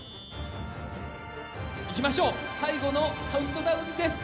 いきましょう最後のカウントダウンです。